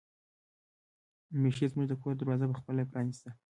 میښې زموږ د کور دروازه په خپله پرانیسته.